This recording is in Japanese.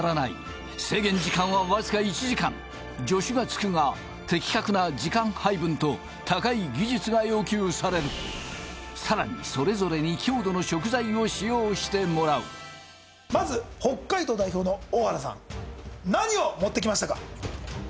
決勝戦は的確な時間配分と高い技術が要求されるさらにそれぞれに郷土の食材を使用してもらうまず北海道代表の大原さん何を持ってきましたか？